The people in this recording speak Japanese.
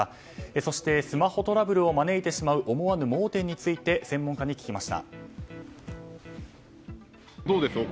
そして、スマホトラブルを招いてしまう思わぬ盲点について専門家に聞きました。